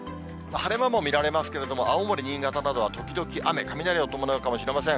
晴れ間も見られますけれども、青森、新潟などは時々雨、雷を伴うかもしれません。